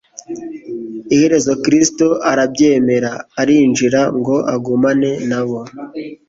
Iherezo Kristo arabyemera "arinjira ngo agumane na bo."